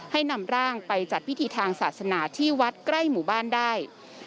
นำร่างไปจัดพิธีทางศาสนาที่วัดใกล้หมู่บ้านได้